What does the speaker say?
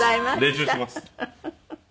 練習します。